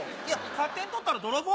勝手に取ったら泥棒！